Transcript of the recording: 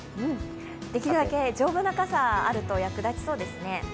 できるだけ丈夫な傘があると役立ちそうですね。